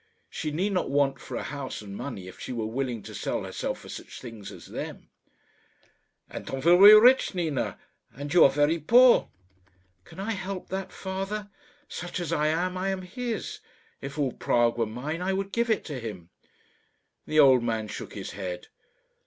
She need not want for a house and money if she were willing to sell herself for such things as them. "Anton will be rich, Nina, and you are very poor." "Can I help that, father? Such as I am, I am his. If all Prague were mine I would give it to him." The old man shook his head.